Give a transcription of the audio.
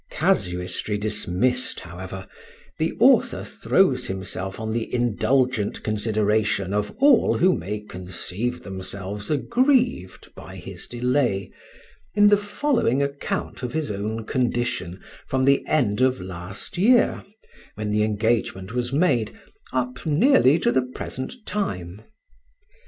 Casuistry dismissed, however, the author throws himself on the indulgent consideration of all who may conceive themselves aggrieved by his delay, in the following account of his own condition from the end of last year, when the engagement was made, up nearly to the present time.